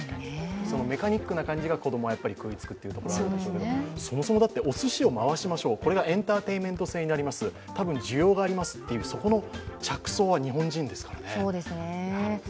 メカニックな感じが子供は食いつくというところがあるんでしょうけど、そもそもだっておすしを回しましょう、これがエンターテインメント性があります、たぶん需要がありますという、そこの着想は日本人ですからね。